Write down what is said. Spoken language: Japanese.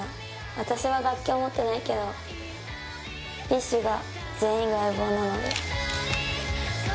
私は楽器を持ってないけどＢｉＳＨは全員が相棒なので。